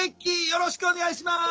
よろしくお願いします！